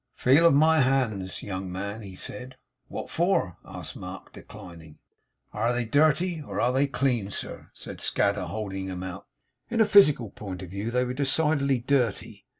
'Feel of my hands, young man,' he said. 'What for?' asked Mark, declining. 'Air they dirty, or air they clean, sir?' said Scadder, holding them out. In a physical point of view they were decidedly dirty.